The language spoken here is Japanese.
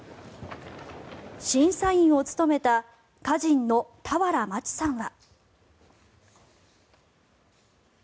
審査員を務めた歌人の俵万智さんは。